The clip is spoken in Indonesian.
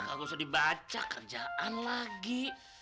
gak usah dibaca kerjaan lagi